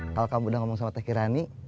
kalau kamu udah ngomong sama teh kirani